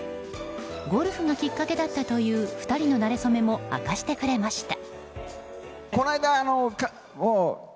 ゴルフがきっかけだったという２人の馴れ初めも明かしてくれました。